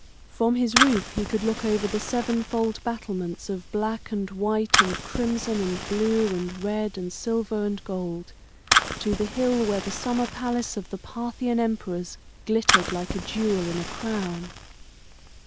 From his roof he could look over the seven fold battlements of black and white and crimson and blue and red and silver and gold, to the hill where the summer palace of the Parthian emperors glittered like a jewel in a crown.